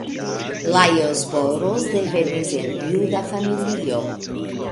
Lajos Boros devenis el juda familio.